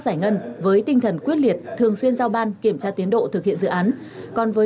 giải ngân với tinh thần quyết liệt thường xuyên giao ban kiểm tra tiến độ thực hiện dự án còn với